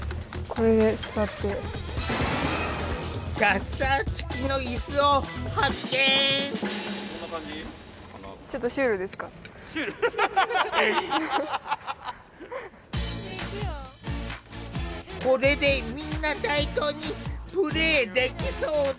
これでみんな対等にプレーできそうだ。